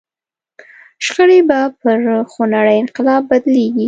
شخړې به پر خونړي انقلاب بدلېږي.